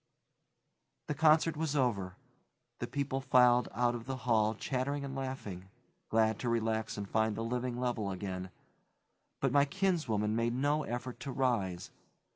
The concert was over; the people filed out of the hall chattering and laughing, glad to relax and find the living level again, but my kinswoman made no effort to rise.